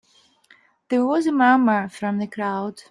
There was a murmur from the crowd.